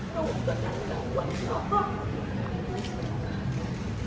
แล้วผมก็จัดการกับคุณมาก